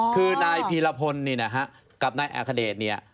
คือนายพีรพลนี่นะฮะกับนายอาคเดชเนี่ย